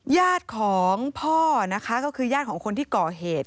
ญาติของพ่อนะคะก็คือญาติของคนที่ก่อเหตุ